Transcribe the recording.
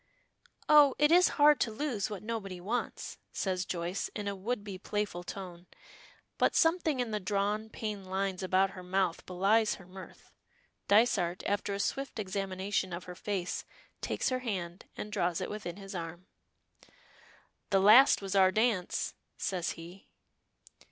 "Oh! it is hard to lose what nobody wants," says Joyce in a would be playful tone, but something in the drawn, pained lines about her mouth belies her mirth. Dysart, after a swift examination of her face, takes her hand and draws it within his arm. "The last was our dance," says he.